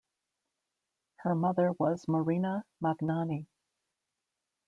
Her mother was Marina Magnani.